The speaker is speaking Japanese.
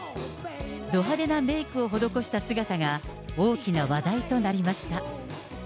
ど派手なメークを施した姿が、大きな話題となりました。